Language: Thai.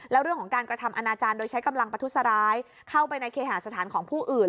แล้วเรื่องของการกระทำอนาจารย์โดยใช้กำลังประทุษร้ายเข้าไปในเคหาสถานของผู้อื่น